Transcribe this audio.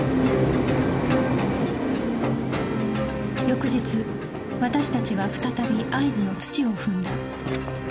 翌日私達は再び会津の土を踏んだ